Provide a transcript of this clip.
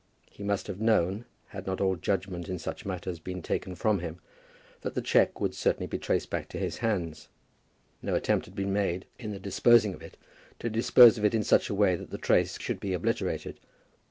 He must have known, had not all judgment in such matters been taken from him, that the cheque would certainly be traced back to his hands. No attempt had been made in the disposing of it to dispose of it in such a way that the trace should be obliterated.